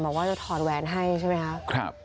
บอกว่าจะถอดแวนให้ใช่ไหมคะ